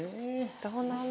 どうなの？